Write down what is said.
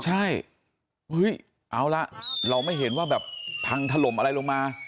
ใช่เอาละเราไม่เห็นว่าแบบพังถล่มอะไรลงมา